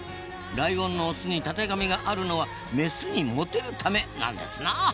ライオンのオスにたてがみがあるのは「メスにモテるため」なんですな！